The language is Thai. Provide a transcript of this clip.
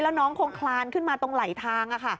แล้วน้องคงคลานขึ้นมาตรงไหลทาง